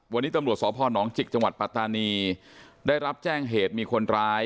วันนี้ตำรวจสพนจิกจังหวัดปัตตานีได้รับแจ้งเหตุมีคนร้าย